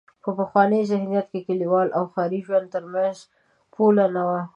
په پخواني ذهنیت کې د کلیوال او ښاري ژوند تر منځ پوله نه وه.